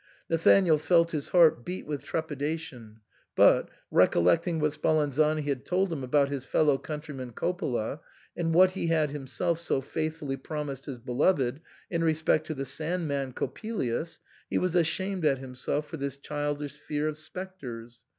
Nathanael felt his heart beat with trepidation ; but, recollecting what Spalanzani had told him about his fellow countryman Coppola, and what he had himself so faithfully prom ised his beloved in respect to the Sand man Cop pelius, he was ashamed at himself for this childish fear of spectres.